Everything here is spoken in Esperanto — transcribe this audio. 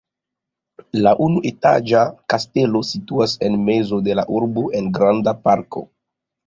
La unuetaĝa kastelo situas en mezo de la urbo en granda parko.